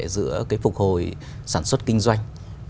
giữa phục hồi sản xuất kinh doanh